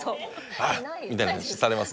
「アッ」みたいなんされます？